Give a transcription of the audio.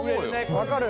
分かる。